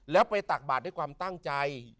แล้วไปตักบาทด้วยความตั้งใจ